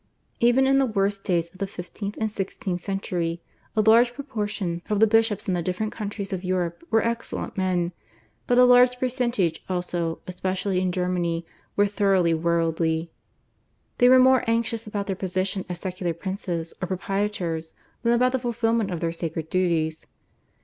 Even in the worst days of the fifteenth and sixteenth centuries a large proportion of the bishops in the different countries of Europe were excellent men, but a large percentage also, especially in Germany, were thoroughly worldly. They were more anxious about their position as secular princes or proprietors than about the fulfilment of their sacred duties.